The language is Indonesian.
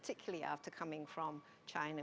terutama setelah datang dari china